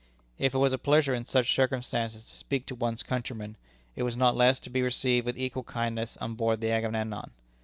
If it was a pleasure in such circumstances to speak to one's countrymen, it was not less to be received with equal kindness on board the Agamemnon.